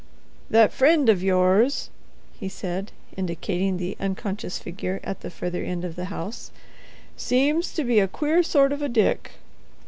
"That friend of yours," he said, indicating the unconscious figure at the further end of the house, "seems to be a queer sort of a Dick.